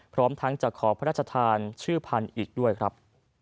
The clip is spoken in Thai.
พร้อมทั้งจะขอพระราชทานชื่อพันธุ์อีกด้วยครับ